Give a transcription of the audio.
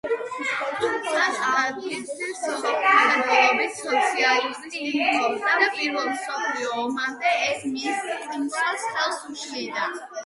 თუმცა ტაუტი მსოფლმხედველობით სოციალისტი იყო და პირველ მსოფლიო ომამდე ეს მის წინსვლას ხელს უშლიდა.